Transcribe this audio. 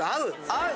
合う！